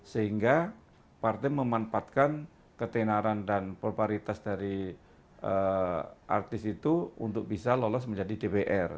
sehingga partai memanfaatkan ketenaran dan proparitas dari artis itu untuk bisa lolos menjadi dpr